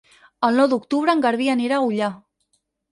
El nou d'octubre en Garbí anirà a Ullà.